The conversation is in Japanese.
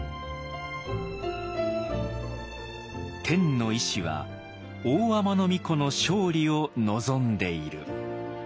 天の意思は大海人皇子の勝利を望んでいる。